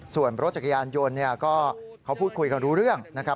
ส่วนรถจักรยานยนต์ก็เขาพูดคุยกันรู้เรื่องนะครับ